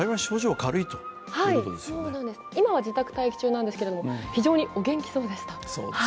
はい、今は自宅待機中なんですけれども非常にお元気そうでした。